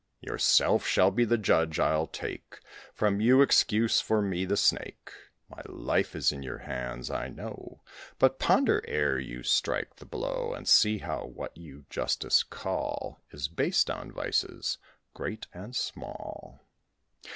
Yourself shall be the judge; I'll take From you excuse for me, the Snake. My life is in your hands, I know, But ponder ere you strike the blow, And see now what you justice call Is based on vices great and small.